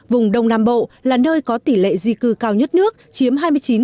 vùng đông nam bộ là nơi có tỷ lệ di cư cao nhất nước chiếm hai mươi chín